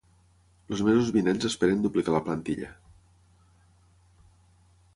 Els mesos vinents esperen duplicar la plantilla.